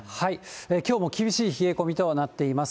きょうも厳しい冷え込みとなっています。